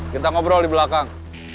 kita ngobrol di belakang